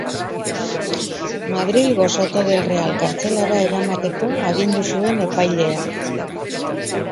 Madrilgo Soto del Real kartzelara eramateko agindu zuen epaileak.